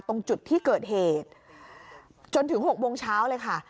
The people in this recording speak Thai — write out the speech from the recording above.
ตรงจุดที่เกิดเหตุจนถึง๖โมงเช้าเลยค่ะ